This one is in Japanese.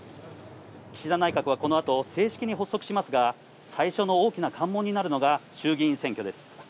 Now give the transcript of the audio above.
岸田内閣はこのあと、正式に発足しますが、最初の大きな関門になるのが衆議院選挙です。